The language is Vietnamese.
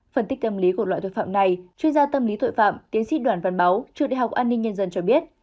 phân tích tâm lý của loại tội phạm này chuyên gia tâm lý tội phạm tiến sĩ đoàn văn báu trường đại học an ninh nhân dân cho biết